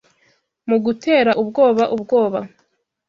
Mu gutera ubwoba ubwoba